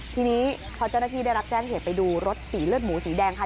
ทีนี้พอเจ้าหน้าที่ได้รับแจ้งเหตุไปดูรถสีเลือดหมูสีแดงค่ะ